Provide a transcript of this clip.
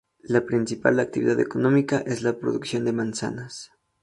La principal actividad económica es la producción de manzanas.